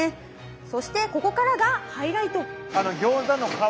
そしてここからがハイライトはい。